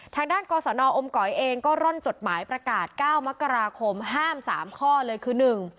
ทางด้านกศอมเกาะเองก็ร่อนจดหมายประกาศ๙มกราคมห้าม๓ข้อเลยคือ